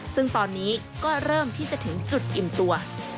ซึ่งตอนนี้ก็เริ่มที่จะถึงจุดอิ่มตัว